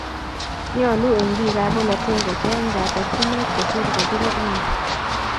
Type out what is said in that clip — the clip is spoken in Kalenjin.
nyooluu eng biikab bolotee kocheny kaatorchinet kosiir kobire ng'weny.